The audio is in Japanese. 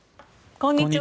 こんにちは。